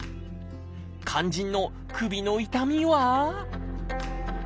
肝心の首の痛みは？